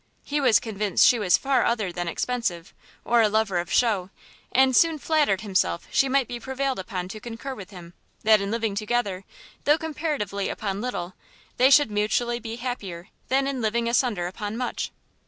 He was convinced she was far other than expensive, or a lover of shew, and soon flattered himself she might be prevailed upon to concur with him, that in living together, though comparatively upon little, they should mutually be happier than in living asunder upon much.